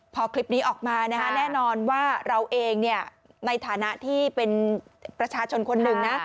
พอคลิปนี้ออกมาแน่นอนว่าเราเองในฐานะที่เป็นประชาชนคนหนึ่งนะ